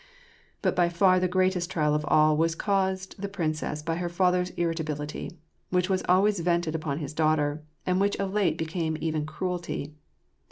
But by far the greatest trial of all was caused the princess by her father's irritability, which was always vented upon his daughter, and which of late became even cruelty.